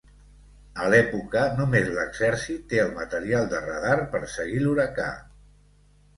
A l'època, només l'exèrcit té el material de radar per seguir l'huracà.